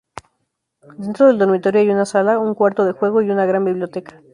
Dentro del dormitorio hay una sala, un cuarto de juego y una gran biblioteca.